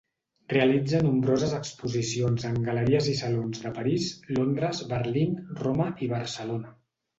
Realitza nombroses exposicions en galeries i salons de París, Londres, Berlín, Roma i Barcelona.